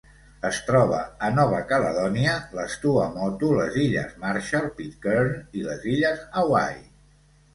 Es troba a Nova Caledònia, les Tuamotu, les illes Marshall, Pitcairn i les illes Hawaii.